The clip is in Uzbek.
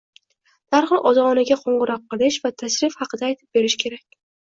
darhol ota-onaga qo‘ng‘iroq qilish va tashrif haqida aytib berish kerak.